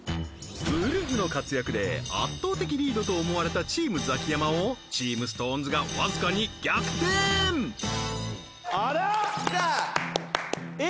ウルフの活躍で圧倒的リードと思われたチームザキヤマをチームＳｉｘＴＯＮＥＳがわずかに逆転あらっ